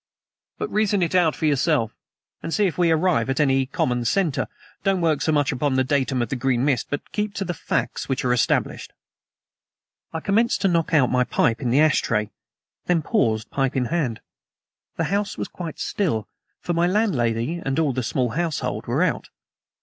But reason it out for yourself and see if we arrive at any common center. Don't work so much upon the datum of the green mist, but keep to the FACTS which are established." I commenced to knock out my pipe in the ash tray; then paused, pipe in hand. The house was quite still, for my landlady and all the small household were out.